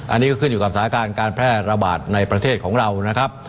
อันนี้ก็ขึ้นอยู่กับสถานการณ์การแพร่ระบาดในประเทศของเรานะครับ